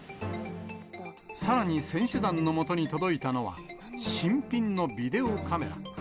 さらに選手団のもとに届いたのは、新品のビデオカメラ。